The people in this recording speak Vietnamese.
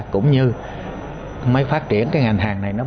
cũng như mới phát triển ngành hàng này bền dựng